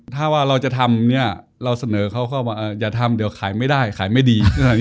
ถ้าว่าเราจะทำเนี่ยเราเสนอเขาก็ว่าอย่าทำเดี๋ยวขายไม่ได้ขายไม่ดี